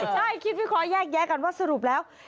ใช่คิดวิเคราะห์แยกแยะกันว่าสรุปแล้ว